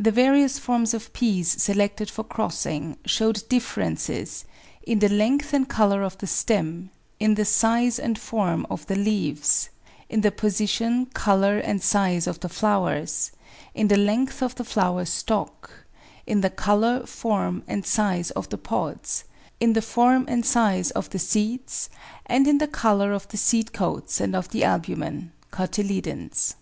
The various forms of Peas selected for crossing showed differences in the length and colour of the stem; in the size and form of the leaves; in the position, colour, and size of the flowers; in the length of the flower stalk; in the colour, form, and size of the pods; in the form and size of the seeds; and in the colour of the seed coats and of the albumen [cotyledons].